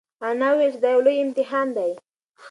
انا وویل چې دا یو لوی امتحان دی.